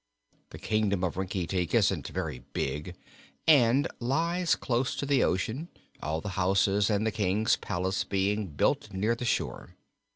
The Kingdom of Rinkitink isn't very big and lies close to the ocean, all the houses and the King's palace being built near the shore.